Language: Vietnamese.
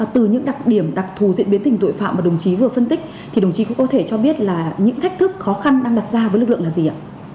thì đồng chí có có thể cho biết là những thách thức khó khăn đang đặt ra với lực lượng là gì ạ